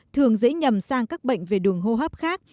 thường dễ nhầm sang các bệnh về đường hô hấp khác